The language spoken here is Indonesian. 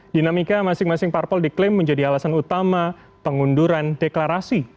dinamika masing masing parpol diklaim menjadi alasan utama pengunduran deklarasi